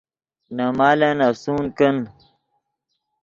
نے مالن افسون کن